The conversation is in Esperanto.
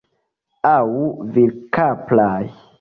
Aŭ virkapraj.